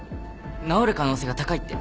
治る可能性が高いって。